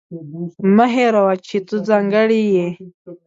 مه هېروه چې ته ځانګړې یې.